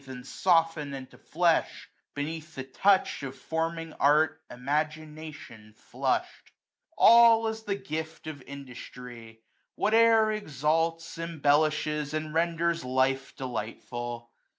And soften into fleih ; beneath the touch I AUTUMN. t%i Of fonning art, imagination flush'd. 140 All is the gift of Industry ; whatever Exalts, embellishes, and renders life Delightful.